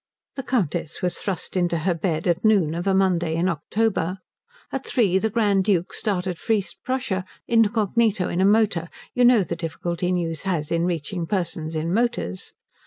The Countess was thrust into her bed at noon of a Monday in October. At three the Grand Duke started for East Prussia, incognito in a motor you know the difficulty news has in reaching persons in motors.